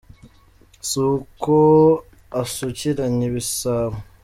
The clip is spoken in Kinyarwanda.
Ni uko asukiranya ibisabo.